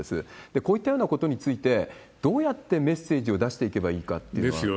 こういったようなことについて、どうやってメッセージを出していけばいいかっていうのは。